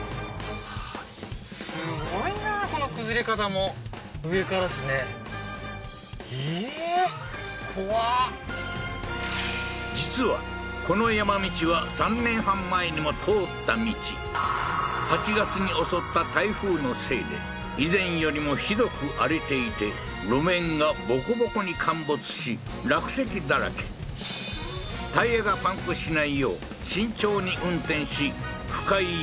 本当だ道が陥没してる実はこの山道は３年半前にも通った道８月に襲った台風のせいで以前よりもひどく荒れていて路面がボコボコに陥没し落石だらけタイヤがパンクしないよう慎重に運転し深い山の奥へ入っていくと